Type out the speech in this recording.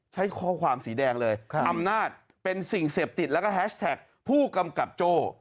ใช้ข้อความสีแดงเลยอำนาจเป็นสิ่งเสพติดแล้วก็แฮชแท็กผู้กำกับโจ้